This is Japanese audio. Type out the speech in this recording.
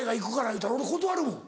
言うたら俺断るもん。